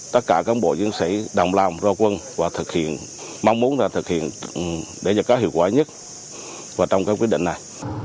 tất cả các bộ diễn sĩ đồng làm rô quân và thực hiện mong muốn là thực hiện để cho các hiệu quả nhất và trong các quyết định này